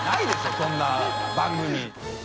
そんな番組。